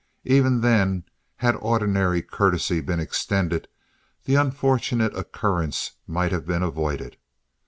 Even then, had ordinary courtesy been extended, the unfortunate occurrence might have been avoided.